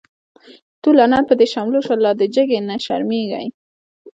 تو لعنت په دی شملو شه، لا دی جګی نه شرميږی